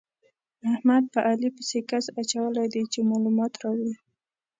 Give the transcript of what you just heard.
احمد په علي پسې کس اچولی دی چې مالومات راوړي.